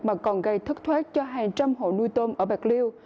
mà còn gây thất thoát cho hàng trăm hộ nuôi tôm ở bạc liêu